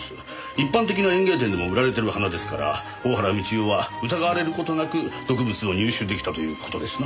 一般的な園芸店でも売られてる花ですから大原美千代は疑われる事なく毒物を入手出来たという事ですな。